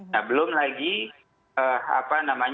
nah belum lagi ada ancaman